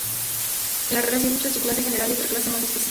Es la relación entre una clase general y otra clase más específica.